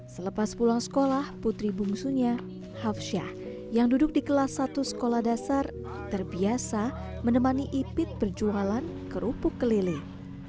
selepas pulang sekolah putri bungsunya hafsyah yang duduk di kelas satu sekolah dasar terbiasa menemani ipit berjualan kerupuk keliling